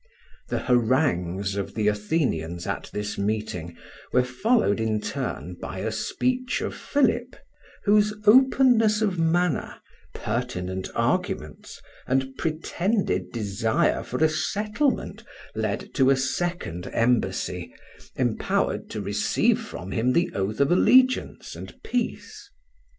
The harangues of the Athenians at this meeting were followed in turn by a speech of Philip, whose openness of manner, pertinent arguments, and pretended desire for a settlement led to a second embassy, empowered to receive from him the oath of allegiance and peace.